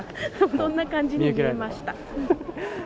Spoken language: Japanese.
そんな感じに見えました。